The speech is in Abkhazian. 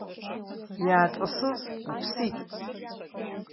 Иааҵасыз уԥсит!